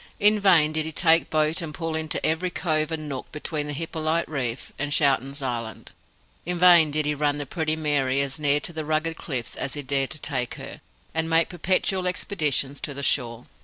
In vain did he take boat and pull into every cove and nook between the Hippolyte Reef and Schouten's Island. In vain did he run the Pretty Mary as near to the rugged cliffs as he dared to take her, and make perpetual expeditions to the shore.